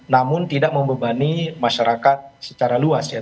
namun tidak membebani masyarakat secara luas ya